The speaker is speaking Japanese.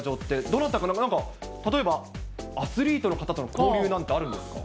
どなたか、何か、例えばアスリートの方との交流なんてあるんですか。